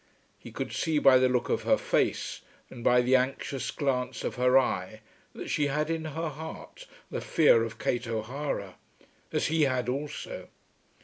He could see by the look of her face and by the anxious glance of her eye that she had in her heart the fear of Kate O'Hara, as he had also.